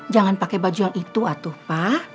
jangan pakai baju yang itu atuh pak